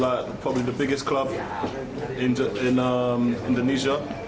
saya ingin bermain di sini karena ini adalah klub terbesar di indonesia